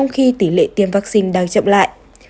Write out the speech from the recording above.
khi tỷ lệ tiêm vắc xin đang chậm lại